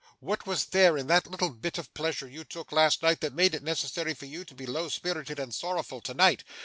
What was there in the little bit of pleasure you took last night that made it necessary for you to be low spirited and sorrowful tonight?